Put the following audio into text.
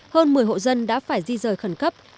hơn một mươi hộ dân đã phải di rời khẩn cấp